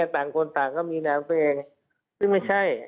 ต่างคนต่างก็มีนามตัวเองซึ่งไม่ใช่